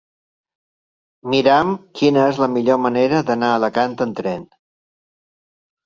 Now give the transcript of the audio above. Mira'm quina és la millor manera d'anar a Alacant amb tren.